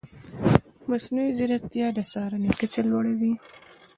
مصنوعي ځیرکتیا د څارنې کچه لوړه وي.